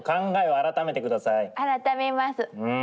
改めます。